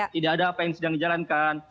tidak ada apa yang sedang dijalankan